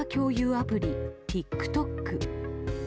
アプリＴｉｋＴｏｋ。